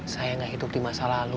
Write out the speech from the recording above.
saya gak hidup di masa lalu